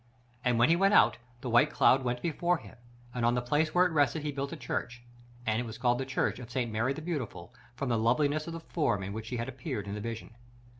And when he went out, the white cloud went before him; and on the place where it rested he built a church, and it was called the Church of St. Mary the Beautiful, from the loveliness of the form in which she had appeared in the vision.